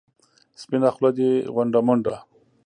سپینه خوله دې غونډه منډه.